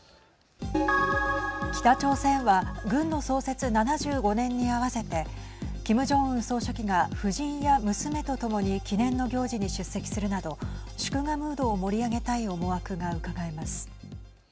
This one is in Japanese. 北朝鮮は軍の創設７５年に合わせてキム・ジョンウン総書記が夫人や娘と共に記念の行事に出席するなど祝賀ムードを盛り上げたい思惑がうかがえます。